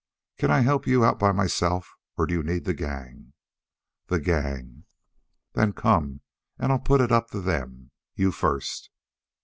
Can I help you out by myself, or do you need the gang?" "The gang." "Then come, and I'll put it up to them. You first."